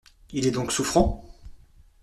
Il est donc souffrant ?